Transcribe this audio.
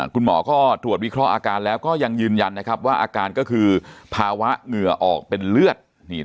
คุณหมอก็ตรวจวิเคราะห์อาการแล้วก็ยังยืนยันว่าอาการก็คือภาวะเหงื่อออกเป็นเลือด